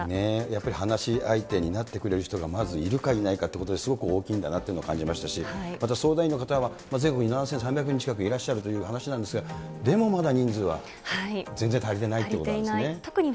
やっぱり話し相手になってくれる人が、まずいるか、いないかってことが、すごく大きいんだなってことを感じましたし、また相談員の方は全国に７３００人近くいらっしゃるという話なんですが、でもまだ人数は全然足りてないんですよね。